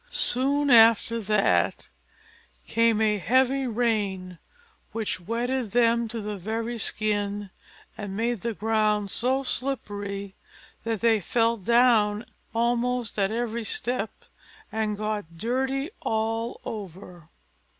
Soon after there came a heavy rain, which wetted them to the very skin, and made the ground so slippery, that they fell down almost at every step, and got dirty all over.